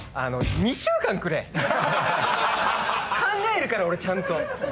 考えるから俺ちゃんと。